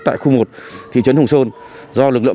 tại khu một thị trấn hùng sơn do lực lượng